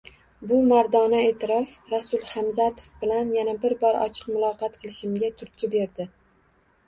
Bu mardona eʼtirof Rasul Hamzatov bilan yana bir bor ochiq muloqot qilishimga turtki berdi